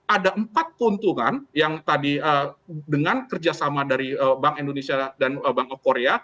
ada empat keuntungan yang tadi dengan kerjasama dari bank indonesia dan bank of korea